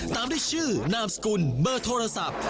ตามด้วยชื่อนามสกุลเบอร์โทรศัพท์